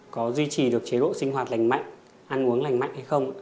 có duy trì được chế độ sinh hoạt lành mạnh ăn uống lành mạnh hay không